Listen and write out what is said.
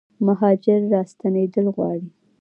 مهاجر راستنیدل غواړي